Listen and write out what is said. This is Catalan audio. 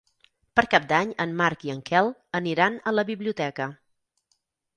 Per Cap d'Any en Marc i en Quel aniran a la biblioteca.